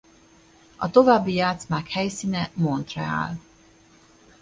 A további játszmák helyszíne Montreal.